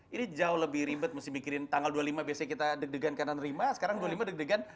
ini jauh lebih ribet mesti mikirin tanggal dua puluh lima biasanya kita deg degan kanan lima sekarang dua puluh lima deg degan